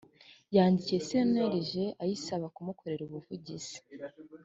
yandikiye cnlg ayisaba kumukorera ubuvugizi